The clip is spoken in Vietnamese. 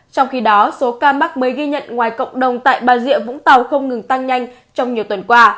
trong khi đó số ca mắc mới ghi nhận ngoài cộng đồng tại bà rịa vũng tàu không ngừng tăng nhanh trong nhiều tuần qua